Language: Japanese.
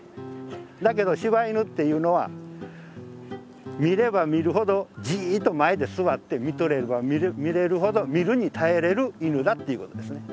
だけど柴犬っていうのは見れば見るほどじっと前で座って見とれば見れるほど見るに堪えれる犬だっていうことですね。